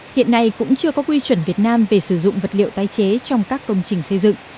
hiện nay cũng chưa có quy chuẩn việt nam về sử dụng vật liệu tái chế trong các công trình xây dựng